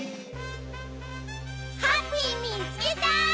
ハッピーみつけた！